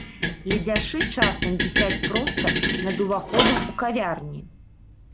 Ледзяшы часам вісяць проста над уваходам у кавярні.